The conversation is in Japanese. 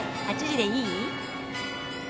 ８時でいい？」